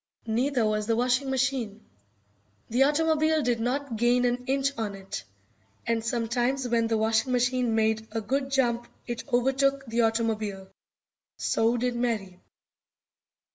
Neither was the washing machine. The automobile did not gain an inch on it, and sometimes when the washing machine made a good jump it overtook the automobile. So did Mary.